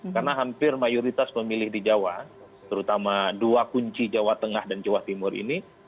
karena hampir mayoritas pemilih di jawa terutama dua kunci jawa tengah dan jawa timur ini